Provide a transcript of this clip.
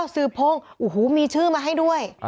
อ๋อซื้อโพงอูหูมีชื่อมาให้ด้วย